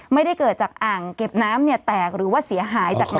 ไม่ได้เกิดจากอ่างเก็บน้ำเนี่ยแตกหรือว่าเสียหายจากน้ำ